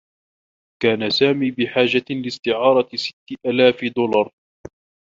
كان سامي بحاجة لاستعارة ستّ آلاف دولار.